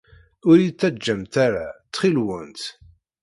Ur iyi-ttaǧǧamt ara, ttxil-went!